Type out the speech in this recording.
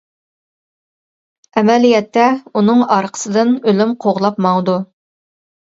ئەمەلىيەتتە ئۇنىڭ ئارقىسىدىن ئۆلۈم قوغلاپ ماڭىدۇ.